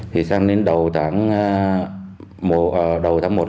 thì sang đến đầu tháng một năm hai nghìn hai mươi hai tôi có nhờ thêm bốn anh em khác đi cùng